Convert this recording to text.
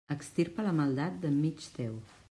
Extirpa la maldat d'enmig teu.